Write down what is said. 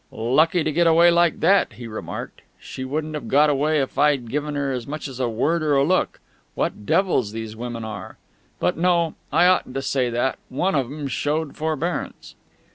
"Lucky to get away like that," he remarked. "She wouldn't have got away if I'd given her as much as a word or a look! What devils these women are!... But no; I oughtn't to say that; one of 'em showed forbearance...."